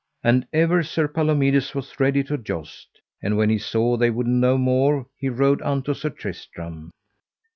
And ever Sir Palomides was ready to joust; and when he saw they would no more he rode unto Sir Tristram.